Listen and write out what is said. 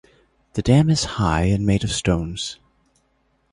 The dam is high and made of stones.